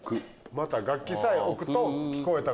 「また楽器さえ置く」と聞こえた。